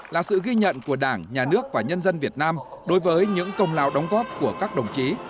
là sự ghi nhận của đảng nhà nước và nhân dân việt nam đối với những công lao đóng góp của các đồng chí